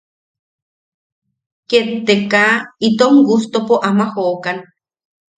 Ket te kaa itom gustopo ama jokan.